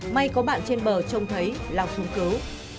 may có bạn trên bờ trông thấy lao xuống cứu